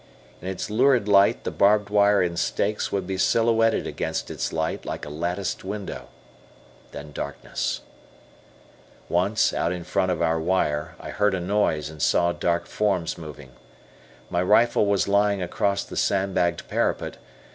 In its lurid light the barbed wire and stakes would be silhouetted against its light like a latticed window. Then darkness. Once, out in front of our wire, I heard a noise and saw dark forms moving. My rifle was lying across the sandbagged parapet.